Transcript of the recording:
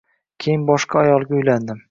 Keyin boshqa ayolga uylandim.